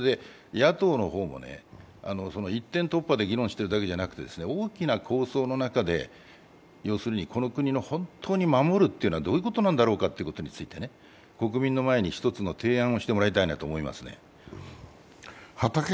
野党の方も、一点突破で議論してるだけじゃなくて大きな構想の中で、この国の本当に守るということはどういうことなのかということについて国民の前に一つの提案をしてもらいたいなと思いますね。